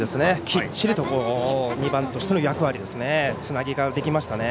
きっちり２番としての役割、つなぎができましたね。